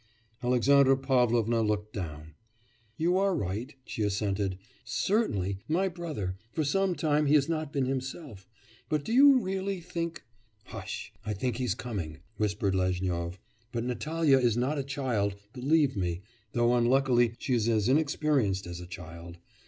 Alexandra Pavlovna looked down. 'You are right,' she assented. 'Certainly my brother for some time he has not been himself.... But do you really think ' 'Hush! I think he is coming,' whispered Lezhnyov. 'But Natalya is not a child, believe me, though unluckily she is as inexperienced as a child.